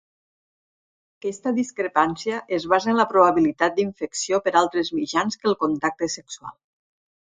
Aquesta discrepància es basa en la probabilitat d'infecció per altres mitjans que el contacte sexual.